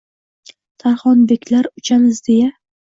Tarxonbeklar uchamiz deya